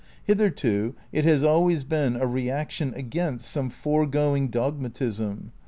Hitherto it has always been a reaction against some foregoing dogmatism.